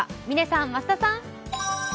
嶺さん、増田さん。